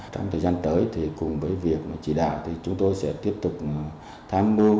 trong thời gian tới thì cùng với việc chỉ đạo thì chúng tôi sẽ tiếp tục tham mưu